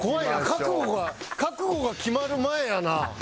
覚悟が覚悟が決まる前やな。